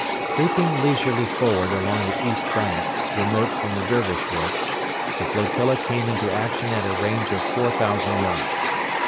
Creeping leisurely forward along the east bank, remote from the Dervish works, the flotilla came into action at a range of 4,000 yards.